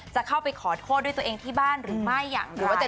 จะเข้าไปขอโทษด้วยตัวเองที่บ้านหรือไม่แต่